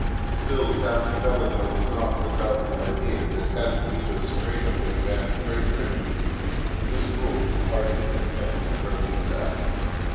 Still, Captain Delano was not without the idea, that had Benito Cereno been a man of greater energy, misrule would hardly have come to the present pass.